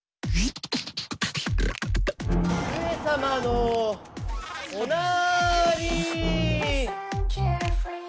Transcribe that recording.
上様のおなーりー。